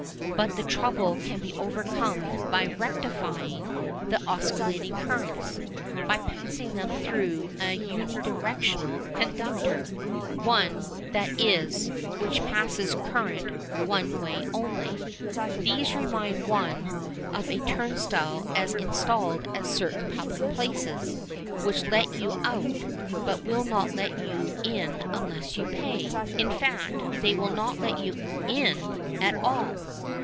But the trouble can be overcome by "rectifying" the oscillating currents, by passing them through a "unidirectional" conductor one, that is, which passes current one way only. These remind one of a turnstile as installed at certain public places, which let you out but will not let you in unless you pay. In fact they will not let you in at all.